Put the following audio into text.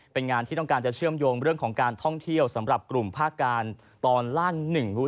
เป็นงานที่ต้องการจะเชื่อมโยงเรื่องของการท่องเที่ยวสำหรับกลุ่มภาคการตอนล่างหนึ่ง